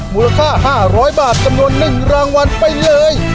มูลค่าห้าร้อยบาทจำนวนนึงรางวัลไปเลย